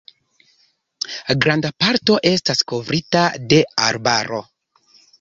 Granda parto estas kovrita de arbaro.